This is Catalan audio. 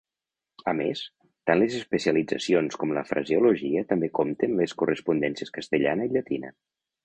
A més, tant les especialitzacions com la fraseologia també compten les correspondències castellana i llatina.